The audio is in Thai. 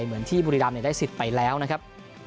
เหมือนที่บุรีรำได้สิทธิ์ไปแล้วนะครับ